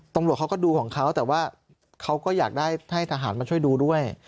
ตำรวจเขาก็ดูของเขาแต่ว่าเขาก็อยากได้ให้ทหารมาช่วยดูด้วย